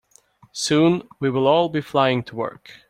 Soon, we will all be flying to work.